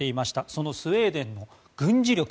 そのスウェーデンの軍事力